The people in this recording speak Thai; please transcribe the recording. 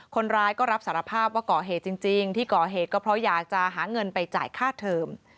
คนร้ายก็รับสารภาพว่าก่อเหตุจริงที่ก่อเหตุก็เพราะอยากจะหาเงินไปจ่ายค่าเทอม